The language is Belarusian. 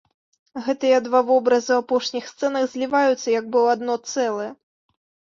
Гэтыя два вобразы ў апошніх сцэнах зліваюцца як бы ў адно цэлае.